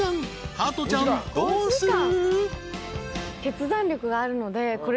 加トちゃんどうする？］